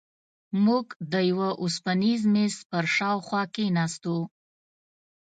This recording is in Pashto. موږ د یوه اوسپنیز میز پر شاوخوا کېناستو.